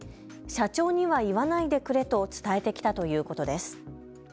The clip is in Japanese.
社長には言わないでくれと伝えてきたということです。